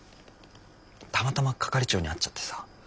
たまたま係長に会っちゃってさ。